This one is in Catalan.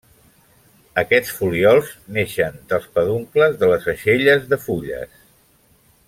Aquests folíols naixen dels peduncles de les aixelles de fulles.